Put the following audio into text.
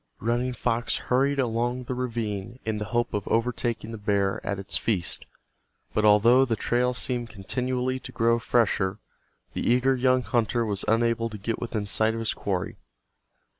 Running Fox hurried along the ravine in the hope of overtaking the bear at its feast, but although the trail seemed continually to grow fresher the eager young hunter was unable to get within sight of his quarry.